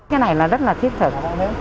cái này là rất là thiết thực